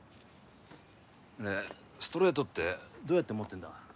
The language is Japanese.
ストレートってどうやって持ってんだ？